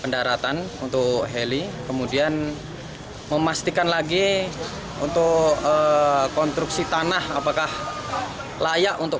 pendaratan untuk heli kemudian memastikan lagi untuk konstruksi tanah apakah layak untuk